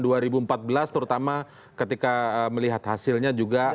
dan dua ribu empat belas terutama ketika melihat hasilnya juga